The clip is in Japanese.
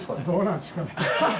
どうなんですかね。